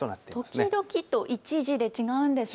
時々と一時で違うんですね。